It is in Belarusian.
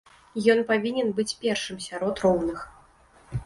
Ён павінен быць першым сярод роўных.